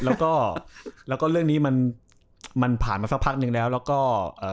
แล้วก็แล้วก็เรื่องนี้มันมันผ่านมาสักพักหนึ่งแล้วแล้วก็เอ่อ